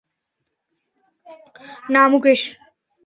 না, মুকেশ।